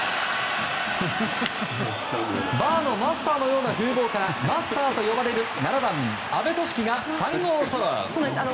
バーのマスターのような風貌からマスターと呼ばれる７番、阿部寿樹が３号ソロ。